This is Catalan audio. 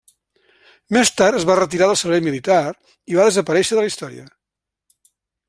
Més tard es va retirar del servei militar i va desaparèixer de la història.